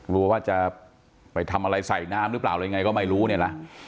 กลัวว่าจะไปทำอะไรใส่น้ำหรือเปล่าอะไรยังไงก็ไม่รู้เนี่ยนะ